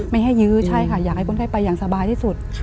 ไม่ให้ยื้อใช่ค่ะอยากให้คนไข้ไปอย่างสบายที่สุด